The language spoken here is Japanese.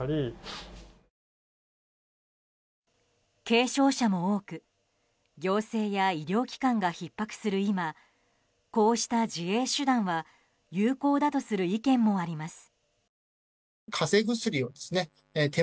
軽症者も多く行政や医療機関がひっ迫する今こうした自衛手段は有効だとする意見もあります。